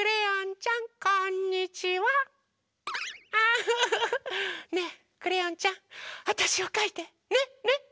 ウフフフねえクレヨンちゃんあたしをかいてねね？